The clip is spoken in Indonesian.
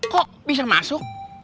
kok bisa masuk